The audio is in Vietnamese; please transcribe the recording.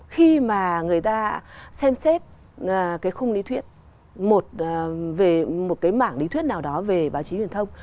khi mà người ta xem xét cái khung lý thuyết về một cái mảng lý thuyết nào đó về báo chí truyền thông